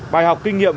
bài học kinh nghiệm